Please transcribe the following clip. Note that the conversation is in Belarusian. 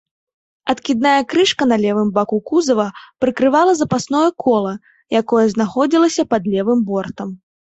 Адкідная крышка на левым баку кузава прыкрывала запасное кола, якое знаходзілася пад левым бортам.